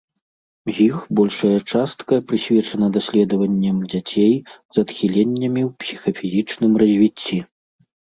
З іх большая частка прысвечана даследаванням дзяцей з адхіленнямі ў псіхафізічным развіцці.